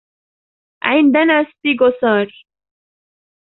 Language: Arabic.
عندنا ستيغوصور.